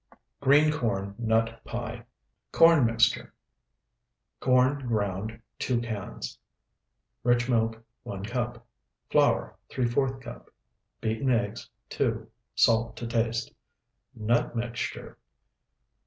GREEN CORN NUT PIE Corn mixture. Corn ground, 2 cans. Rich milk, 1 cup. Flour, ¾ cup. Beaten eggs, 2. Salt to taste. Nut mixture.